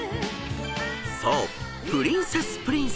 ［そう］